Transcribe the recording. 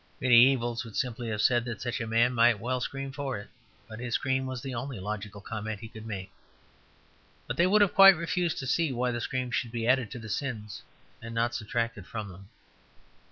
Mediævals would simply have said that such a man might well scream for it, but his scream was the only logical comment he could make. But they would have quite refused to see why the scream should be added to the sins and not subtracted from them.